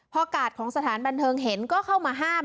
พอกาดของสถานบันเทิงเห็นก็เข้ามาห้าม